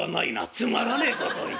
つまらねえことを言った。